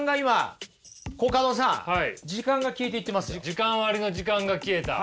時間割の時間が消えた。